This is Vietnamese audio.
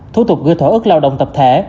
thủ tục gửi thỏa ức lao động tập thể